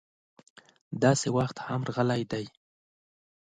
داسې وخت هم راغلی دی.